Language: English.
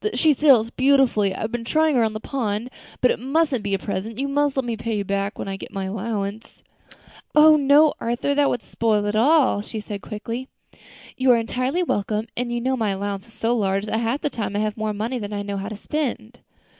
She sails beautifully. I've been trying her on the pond. But it mustn't be a present; you must let me pay you back when I get my allowance." "Oh! no, Arthur, that would spoil it all," she answered quickly; "you are entirely welcome, and you know my allowance is so large that half the time I have more money than I know how to spend."